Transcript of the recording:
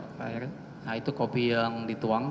nah itu kopi yang dituang